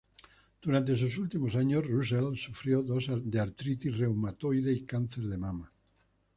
Durante sus últimos años, Russell sufrió de artritis reumatoide y cáncer de mama.